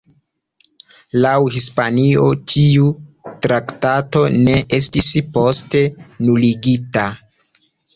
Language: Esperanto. Laŭ Hispanio tiu traktato ne estis poste nuligita.